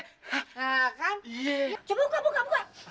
coba buka buka buka